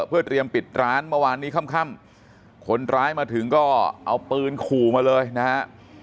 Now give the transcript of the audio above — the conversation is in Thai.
เพื่อเตรียมปิดร้านเมื่อวานนี้ค่ำคนร้ายมาถึงก็เอาปืนขู่มาเลยนะฮะ